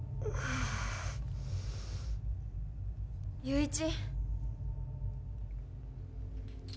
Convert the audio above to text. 友一！